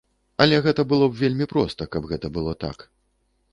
Але гэта было б вельмі проста, каб гэта было так.